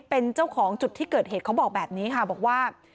เป็นเจ้าของจุดที่เกิดเหตุเขาบอกแบบนี้ค่ะบอกว่า